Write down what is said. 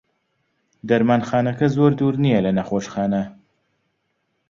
دەرمانخانەکە زۆر دوور نییە لە نەخۆشخانە.